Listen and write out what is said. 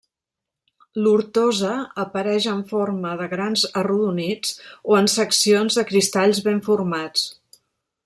L'ortosa apareix en forma de grans arrodonits o en seccions de cristalls ben formats.